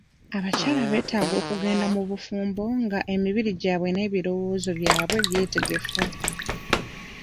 Abakyala betaaga okugenda mu bufumbo nga emibiri n'ebirowozo byabwe byetegefu.